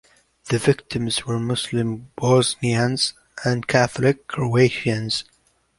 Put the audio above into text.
The victims were Muslim Bosnians and Catholic Croatians.